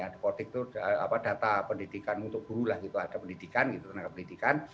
the podic itu data pendidikan untuk guru lah ada pendidikan tenaga pendidikan